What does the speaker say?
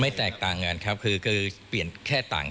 แตกต่างกันครับคือเปลี่ยนแค่ต่าง